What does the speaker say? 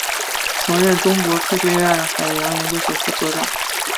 曾任中国科学院海洋研究所副所长。